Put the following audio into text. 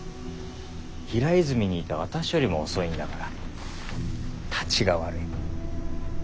平泉にいた私よりも遅いんだからタチが悪い。